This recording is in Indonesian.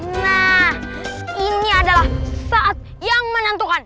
nah ini adalah saat yang menentukan